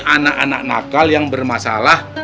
anak anak nakal yang bermasalah